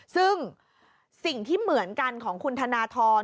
ซึ่งสิ่งที่เหมือนกันของคุณธนทร